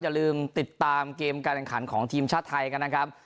อย่าลืมติดตามเกมการแข่งขันของทีมชาติไทยกันนะครับ